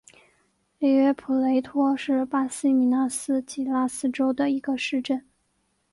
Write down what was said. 里约普雷托是巴西米纳斯吉拉斯州的一个市镇。